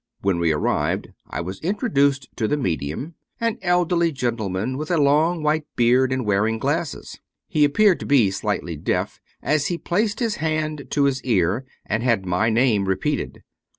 When we arrived I was introduced to the medium, an 250 David P. Abbott elderly gentleman with a long white beard, and wearing glasses. He appeared to be slightly deaf, as he placed his hand to his ear and had my name repeated.